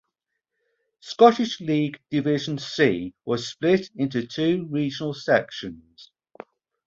Scottish League Division "C" was split into two regional sections.